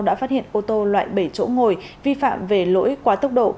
đã phát hiện ô tô loại bảy chỗ ngồi vi phạm về lỗi quá tốc độ